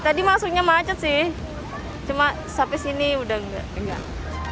tapi masuknya macet sih cuma sampai sini udah nggak